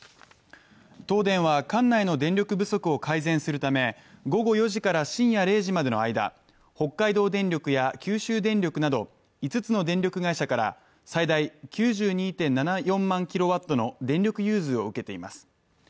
東電は管内の電力不足を改善するため午後４時から深夜０時までの間北海道電力や九州電力など５つの電力会社から最大９２．７４万ｋＷの電力融通を受けています。